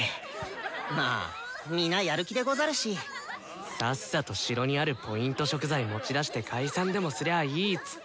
まあ皆やる気でござるし！さっさと城にあるＰ食材持ち出して解散でもすりゃあいいっつったのに。